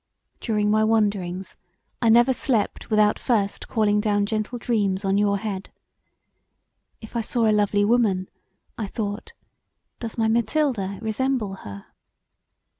During my wanderings I never slept without first calling down gentle dreams on your head. If I saw a lovely woman, I thought, does my Mathilda resemble her?